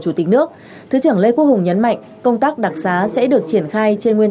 chủ tịch nước thứ trưởng lê quốc hùng nhấn mạnh công tác đặc xá sẽ được triển khai trên nguyên